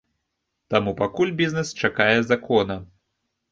Таму пакуль бізнэс чакае закона.